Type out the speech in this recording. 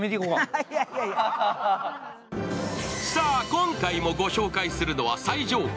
今回もご紹介するのは最上階。